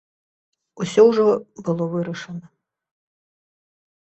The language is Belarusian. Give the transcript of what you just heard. Усё ўжо было вырашана.